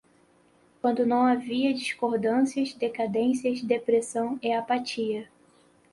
quando não havia discordâncias, decadências, depressão e apatia